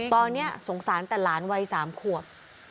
ตอนนี้สงสารแต่หลานวัย๓ขวบ